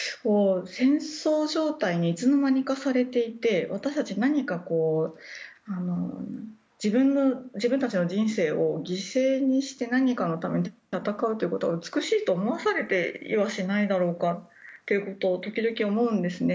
戦争状態にいつの間にかされていて私たちは自分たちの人生を犠牲にして何かのために戦うということが美しいと思わされてはいないだろうかということを時々思うんですね。